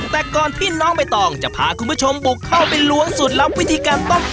แต่ก็พี่น้องไม่ตอบจะพาคุณผู้ชมบุก